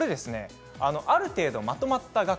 ある程度まとまった額